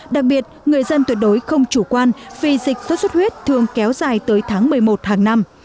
đặc biệt người dân tuyệt đối không chủ quan vì dịch sốt xuất huyết thường kéo dài tới tháng một mươi một hàng năm